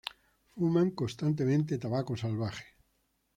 Fuman constantemente tabaco salvaje.